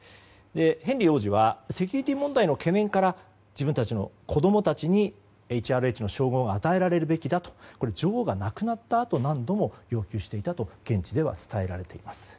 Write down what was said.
ヘンリー王子はセキュリティー問題の懸念から自分たちの子供たちにＨＲＨの称号が与えられるべきだと女王が亡くなったあと何度も要求していたと現地では伝えられています。